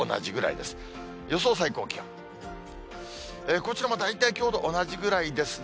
こちらも大体きょうと同じぐらいですね。